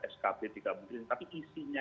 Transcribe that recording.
skb tiga menteri ini tapi isinya